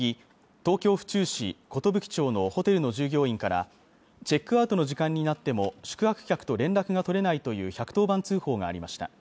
東京府中市寿町のホテルの従業員からチェックアウトの時間になっても宿泊客と連絡が取れないという１１０番通報がありました